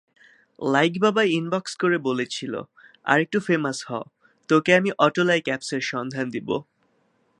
Like বাবা inbox করে বলেছিল, আরেকটু ফেমাস হতোকে আমি অটোলাইক অ্যাপসের সন্ধান দেব।